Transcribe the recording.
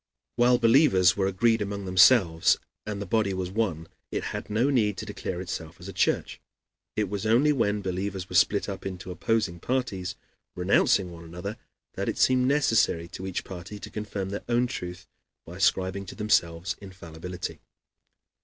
While believers were agreed among themselves and the body was one, it had no need to declare itself as a church. It was only when believers were split up into opposing parties, renouncing one another, that it seemed necessary to each party to confirm their own truth by ascribing to themselves infallibility.